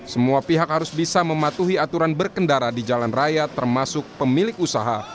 semua pihak harus bisa mematuhi aturan berkendara di jalan raya termasuk pemilik usaha